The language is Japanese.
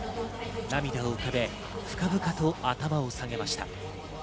涙を浮かべ、深々と頭を下げました。